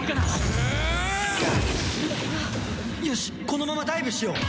このままダイブしよう！